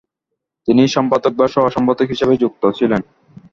তিনি সম্পাদক বা সহ-সম্পাদক হিসাবে যুক্ত ছিলেন ।